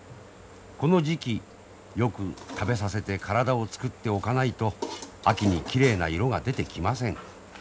この時期よく食べさせて体を作っておかないと秋にきれいな色が出てきません。